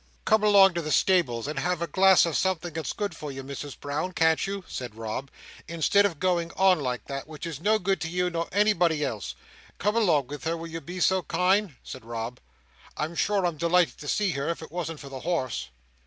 "Come along to the stables, and have a glass of something that's good for you, Misses Brown, can't you?" said Rob, "instead of going on, like that, which is no good to you, nor anybody else. Come along with her, will you be so kind?" said Rob. "I'm sure I'm delighted to see her, if it wasn't for the horse!"